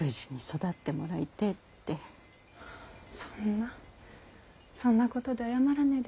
そんなそんなことで謝らねぇで